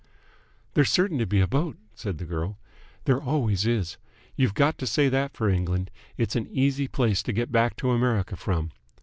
"There's certain to be a boat," said the girl. "There always is. You've got to say that for England it's an easy place to get back to America from."